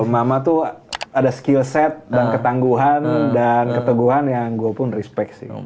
emak emak tuh ada skillset dan ketangguhan dan keteguhan yang gue pun respect sih